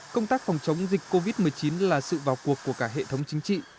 công tác phòng chống dịch covid một mươi chín là sự vào cuộc của cả hệ thống chính trị